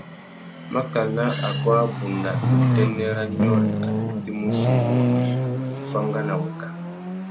Makana aguá abunda, ná utênê râ nyôrê a fitimú sú wúrrini, uffangana; waka.